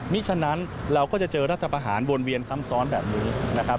ฉะนั้นเราก็จะเจอรัฐประหารวนเวียนซ้ำซ้อนแบบนี้นะครับ